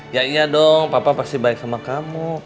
ya iya dong papa pasti baik sama kamu